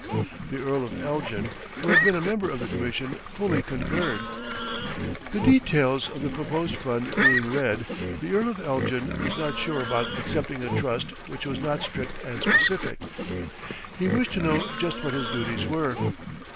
The Earl of Elgin, who had been a member of the commission, fully concurred. [Illustration: ANDREW CARNEGIE AND VISCOUNT BRYCE] The details of the proposed fund being read, the Earl of Elgin was not sure about accepting a trust which was not strict and specific. He wished to know just what his duties were.